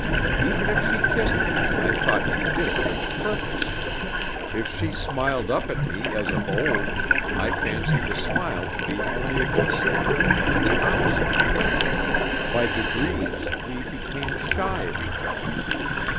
Even if she kissed me, I thought she did it with a purpose; if she smiled up at me as of old, I fancied the smile to be only a concealment of its opposite. By degrees we became shy of each other.